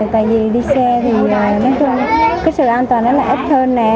tại vì đi xe thì nói chung cái sự an toàn nó lại ấp hơn nè